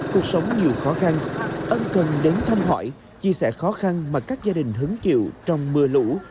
cuộc sống nhiều khó khăn ân cần đến thăm hỏi chia sẻ khó khăn mà các gia đình hứng chịu trong mưa lũ